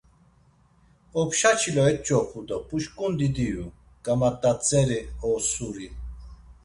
Opşa çilo eç̌opu do puşǩundi diyu, gamadatzeri osuri.